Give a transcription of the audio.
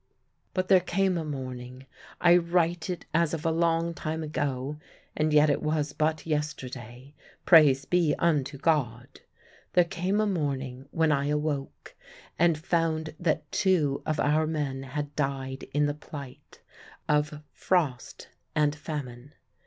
But there came a morning I write it as of a time long ago, and yet it was but yesterday, praise be unto God! there came a morning when I awoke and found that two of our men had died in the plight, of frost and famine.